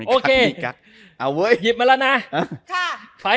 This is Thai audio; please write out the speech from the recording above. โอเคหยิบมาแล้วนะ